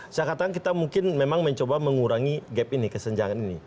saya katakan kita mungkin memang mencoba mengurangi gap ini kesenjangan ini